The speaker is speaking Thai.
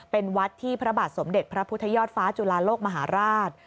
เป็นวัดที่พระบาทสมเด็จพระพุทธยอดฟ้าจุลาโลกมหาราช